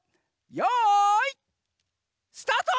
よいスタート！